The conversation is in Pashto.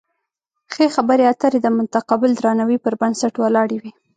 ښې خبرې اترې د متقابل درناوي پر بنسټ ولاړې وي.